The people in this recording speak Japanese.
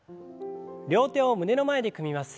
両手を胸の前で組みます。